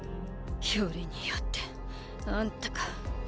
よりによってあんたか。